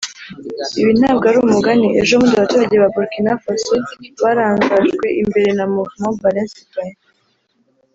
Ibi ntabwo ari umugani ejobundi abaturage ba Bourkinafaso barangajwe imbere na movement Balain Citoyain